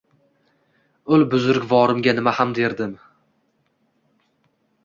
Ul buzrukvorimga nima ham derdim.